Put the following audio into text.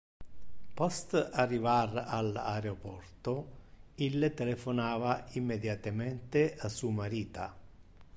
Post arrivar al aeroporto ille telephonava immediatemente a su marita.